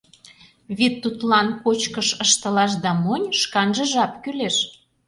Вет тудлан кочкыш ыштылаш да монь шканже жап кӱлеш...